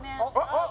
あっ！